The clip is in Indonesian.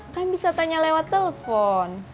kan bisa tanya lewat telepon